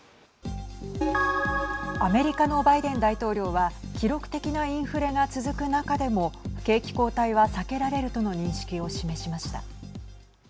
アメリカのバイデン大統領は記録的なインフレが続く中でも景気後退は避けられるとの認識を示しました。